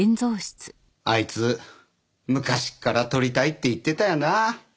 あいつ昔から撮りたいって言ってたよな。